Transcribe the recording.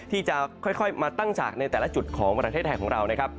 ที่จะค่อยมาตั้งจากในแต่ละจุดของประเทศแถกของเรา